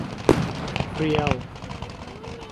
เรียล